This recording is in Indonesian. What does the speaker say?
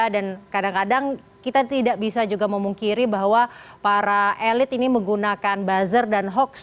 dan kadang kadang kita tidak bisa juga memungkiri bahwa para elit ini menggunakan buzzer dan hoax